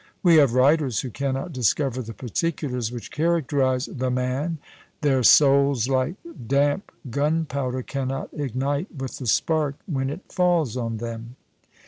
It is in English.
We have writers who cannot discover the particulars which characterise THE MAN their souls, like damp gunpowder, cannot ignite with the spark when it falls on them.